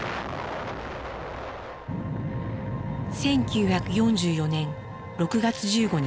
１９４４年６月１５日。